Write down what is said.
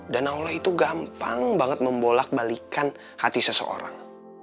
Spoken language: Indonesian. dan allah itu gampang banget membolak balikan hati seseorang